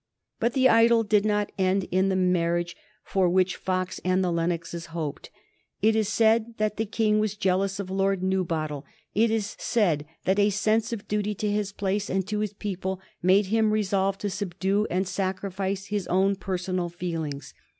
But the idyll did not end in the marriage for which Fox and the Lennoxes hoped. It is said that the King was jealous of Lord Newbottle; it is said that a sense of duty to his place and to his people made him resolve to subdue and sacrifice his own personal feelings.